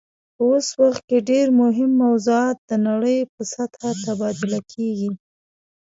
په اوس وخت کې ډیر مهم موضوعات د نړۍ په سطحه تبادله کیږي